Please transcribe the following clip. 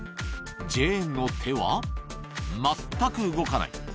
ジェーンの手は全く動かない。